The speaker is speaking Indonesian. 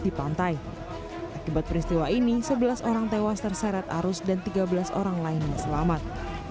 di pantai akibat peristiwa ini sebelas orang tewas terseret arus dan tiga belas orang lainnya selamat